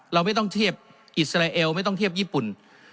เราไม่ต้องเทียบอิสราเอลไม่ต้องเทียบญี่ปุ่น